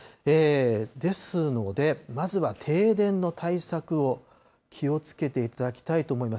ですので、まずは停電の対策を気をつけていただきたいと思います。